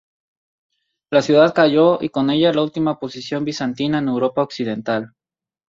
La ciudad cayó, y con ella la última posición bizantina en Europa Occidental.